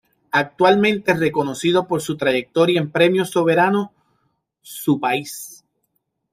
Actualmente reconocido por su trayectoria en premios Soberano, su país